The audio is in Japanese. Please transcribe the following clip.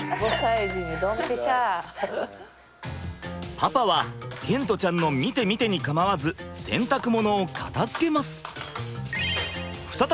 パパは賢澄ちゃんの「見て見て」に構わず洗濯物を片づけます。